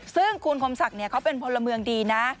ซึ่งคุณคมศักดิ์เขาเป็นพลเมืองดีนะ